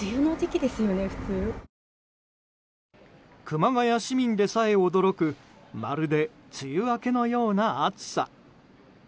熊谷市民でさえ驚くまるで梅雨明けのような暑さ。